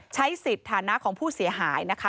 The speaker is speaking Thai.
ใช้สิทธิ์ฐานะของผู้เสียหายนะคะ